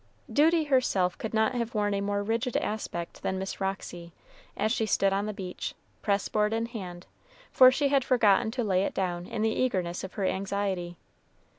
Duty herself could not have worn a more rigid aspect than Miss Roxy, as she stood on the beach, press board in hand; for she had forgotten to lay it down in the eagerness of her anxiety.